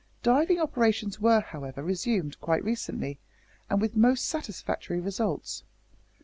Diving operations were, however, resumed quite recently, and with most satisfactory results.